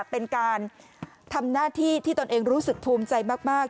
เป็นการทำหน้าที่ที่ตนเองรู้สึกภูมิใจมาก